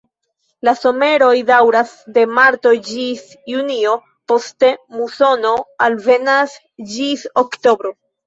La someroj daŭras de marto ĝis junio, poste musono alvenas ĝis oktobro.